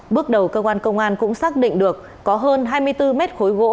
bước đầu cơ quan công an cũng xác định được có hơn hai mươi bốn mét khối gỗ